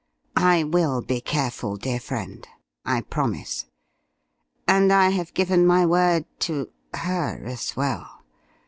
"I will be careful, dear friend. I promise. And I have given my word to her as well.